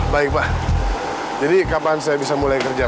baik pak jadi kapan saya bisa mulai kerja